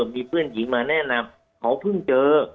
มีเพื่อนหญิงมาแนะนำเขาเพิ่งเจอ